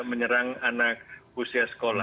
menyerang anak usia sekolah